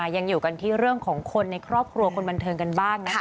ยังอยู่กันของคนในครอบครัวคนบันเทิงกันบ้าง